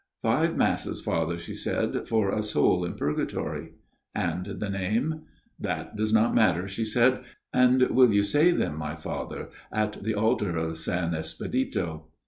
"* Five Masses, Father,* she said, * for a soul in purgatory.' "' And the name ?'"* That does not matter,' she said, * and will you say them, my Father, at the altar of S. Espedito